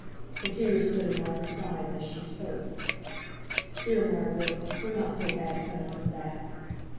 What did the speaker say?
The tears stood in Margaret's eyes as she spoke. "Dear Margaret, we're not so bad pressed as that."